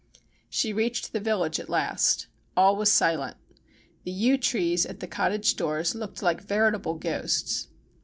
She reached the village at last. All was silent. The yew trees at the cottage doors looked like veritable ghosts.